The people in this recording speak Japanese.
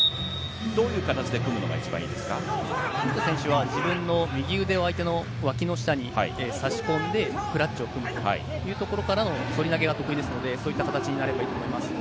どういう形で組むのが一番い自分の右腕を相手の脇下に差し込んで、クラッチを組むとか、反り投げが得意ですので、そういう形なればいいと思います。